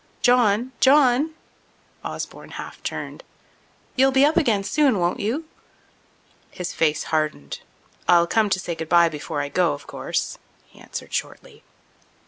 "John! John!" Osborne half turned. "You'll be up again soon, won't you?" His face hardened. "I'll come to say goodbye before I go, of course," he answered shortly.